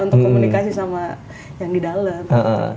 untuk komunikasi sama yang di dalam